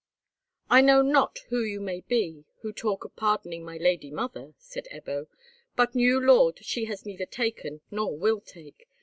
"I know not who you may be who talk of pardoning my lady mother," said Ebbo, "but new lord she has neither taken nor will take.